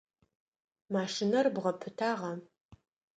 Машинэр бгъапытагъа?